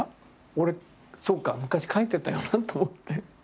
俺そうか昔描いてたよなと思って。